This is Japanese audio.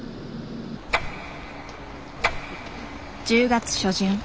１０月初旬。